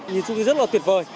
nhìn chung thì rất là tuyệt vời